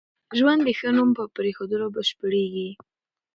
ژوند د ښه نوم په پرېښوولو بشپړېږي.